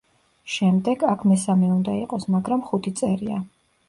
შემდეგ, აქ მესამე უნდა იყოს მაგრამ ხუთი წერია.